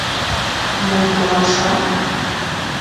— Мом толаша?